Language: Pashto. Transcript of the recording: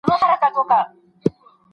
په علمي غونډو کي د پوهانو خبري اورېدل کېږي.